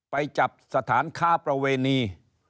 ไปจับสถานค้าประเวณี